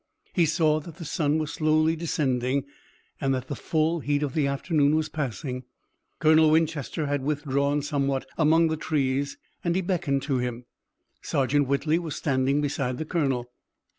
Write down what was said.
He saw that the sun was slowly descending and that the full heat of the afternoon was passing. Colonel Winchester had withdrawn somewhat among the trees and he beckoned to him. Sergeant Whitley was standing beside the colonel.